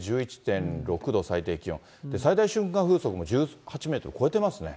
１１．６度、最低気温、最大瞬間風速も１８メートル超えてますね。